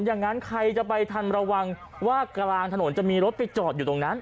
อย่างนั้นใครจะไปทันระวังว่ากลางถนนจะมีรถไปจอดอยู่ตรงนั้น